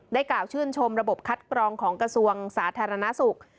กล่าวชื่นชมระบบคัดกรองของกระทรวงสาธารณสุข